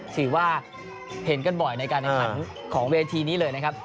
ถือว่าเห็นกันบ่อยในการแข่งขันของเวทีนี้เลยนะครับ